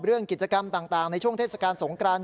เรื่องกิจกรรมต่างในช่วงเทศกาลสงกราน